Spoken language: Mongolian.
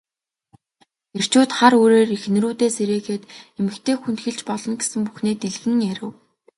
Эрчүүд хар үүрээр эхнэрүүдээ сэрээгээд эмэгтэй хүнд хэлж болно гэсэн бүхнээ дэлгэн ярив.